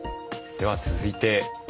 では続いて。